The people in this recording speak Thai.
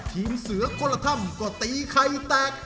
ทีมเสือคนละถ้ำก็ตีไข่แตก